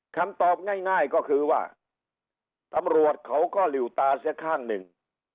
คำตอบง่ายก็คือว่าตำรวจเขาก็หลิวตาเสียข้างหนึ่ง